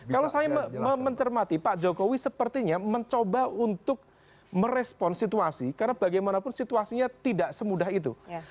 kalau saya mencermati pak jokowi sepertinya mencoba untuk merespon situasi karena bagaimanapun situasinya tidak semudah itu